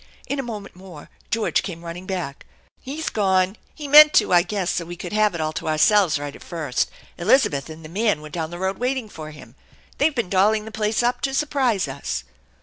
In a moment more George came running back. " He's gone. He meant to, I guess, so we could have it all to ourselves right at first. Elizabeth and the man were down the road waiting for him. They've been dolling the plase up to surprise us."